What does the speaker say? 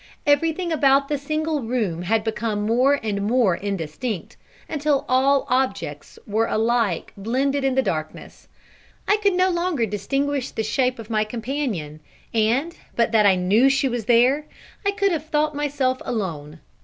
Everything about the single room had become more and more indistinct, until all objects were alike blended in the darkness. I could no longer distinguish the shape of my companion, and, but that I knew she was there, I could have thought myself alone.